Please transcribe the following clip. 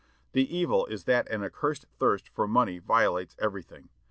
The evil is that an accursed thirst for money violates everything....